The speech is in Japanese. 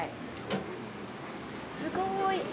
すごい。